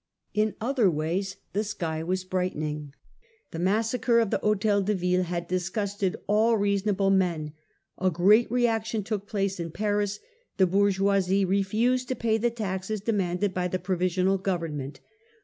In other ways the sky was brightening. The massacre of the Hotel de Ville had disgusted all reasonable men. Reaction in A g reat reaction took P Iace in Paris. The Paris. bourgeoisie refused to pay the taxes demanded by the provisional government.